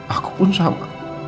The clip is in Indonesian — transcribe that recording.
aku pun sama